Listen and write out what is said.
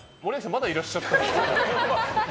まだいらっしゃったんですか。